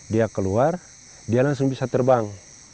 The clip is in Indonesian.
dia keluar dia langsung bisa terbang